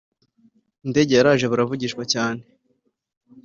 Indege yaraje baravugishwa cyane